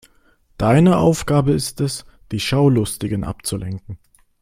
Deine Aufgabe ist es, die Schaulustigen abzulenken.